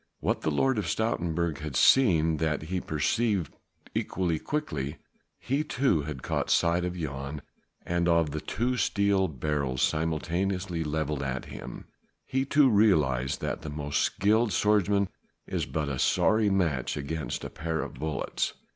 What the Lord of Stoutenburg had seen that he perceived equally quickly; he, too, had caught sight of Jan, and of the two steel barrels simultaneously levelled at him; he too, realized that the most skilled swordsman is but a sorry match against a pair of bullets.